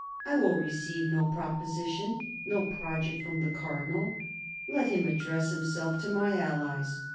I will receive no proposition, no project from the cardinal. Let him address himself to my allies.